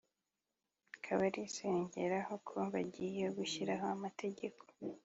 Kabalisa yongeraho ko bagiye gushyiraho amategeko